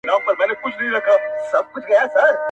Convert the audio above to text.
• په ترخو کي یې لذت بیا د خوږو دی,